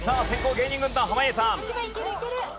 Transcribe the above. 芸人軍団濱家さん。